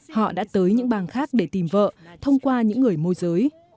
họ đã tới những bang khác để tìm vợ thông qua những người môi giới